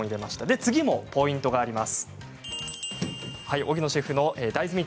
次もポイントがあります。